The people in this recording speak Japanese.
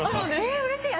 えうれしい！